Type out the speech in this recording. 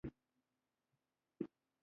هند د نړۍ په سیاست کې غږ لري.